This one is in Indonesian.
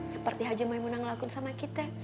seperti haji maimuna ngelakuin sama kita